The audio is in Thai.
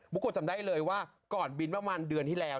กลัวจำได้เลยว่าก่อนบินประมาณเดือนที่แล้ว